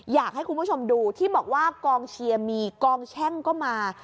อยากให้คุณผู้ชมดูที่บอกว่ากองเชียร์มีกองแช่งก็มา